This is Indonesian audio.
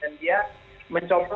tanpa punya khutbah banyak nyuruh nyuruh